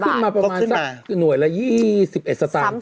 เค้าขึ้นมาประมาณสักหน่วยแล้วยี่สิบเอสดัง